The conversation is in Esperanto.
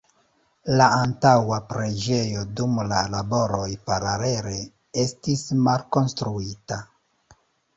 La antaŭa preĝejo dum la laboroj paralele estis malkonstruita.